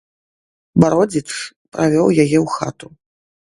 Бародзіч правёў яе ў хату.